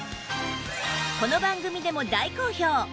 この番組でも大好評！